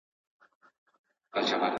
بې پروا له شنه اسمانه!